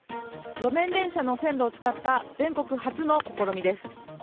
路面電車の線路を使った全国初の試みです。